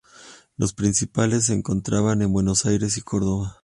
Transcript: Los principales se encontraban en Buenos Aires, y Córdoba.